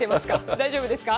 大丈夫ですか。